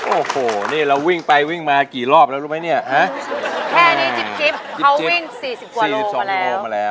โอ้โหนี่เราวิ่งไปวิ่งมากี่รอบแล้วรู้ไหมเนี่ยแค่นี้จิ๊บเขาวิ่ง๔๐กว่าโลกรัมมาแล้ว